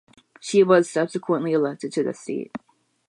She was subsequently elected to the seat.